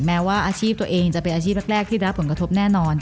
แม้ว่าอาชีพตัวเองจะเป็นอาชีพแรกที่ได้รับผลกระทบแน่นอน